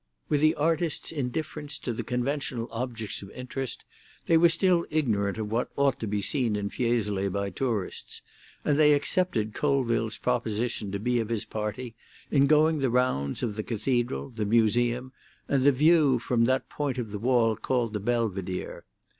With the artist's indifference to the conventional objects of interest, they were still ignorant of what ought to be seen in Fiesole by tourists, and they accepted Colville's proposition to be of his party in going the rounds of the Cathedral, the Museum, and the view from that point of the wall called the Belvedere.